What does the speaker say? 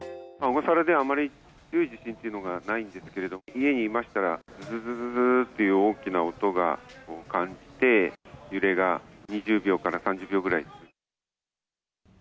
小笠原ではあんまり、強い地震というのがないんですけれども、家にいましたら、ずずずずっていう大きな音が感じて、揺れが２０秒から３０秒ぐら